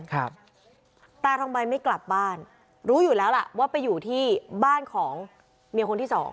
ตาทองใบไม่กลับบ้านรู้อยู่แล้วล่ะว่าไปอยู่ที่บ้านของเมียคนที่สอง